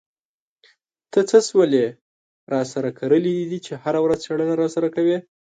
تا څه شولې را سره کرلې دي چې هره ورځ څېړنه را سره کوې.